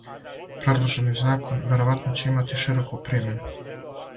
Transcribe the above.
Предложени закон вероватно ће имати широку примену.